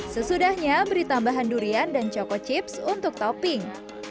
sesudahnya beri tambahan durian dan choco chips untuk topping